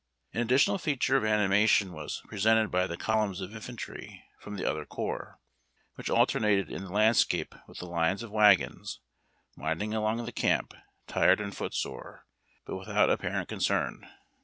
An additional feature of animation was pre sented by the columns of infantry from the other corps, vvhicli alternated in the landscape with the lines of wagons, winding along into camp tired and footsore, but without apparent concern.